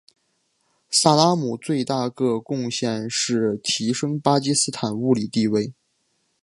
萨拉姆最大个贡献是提升巴基斯坦物理地位。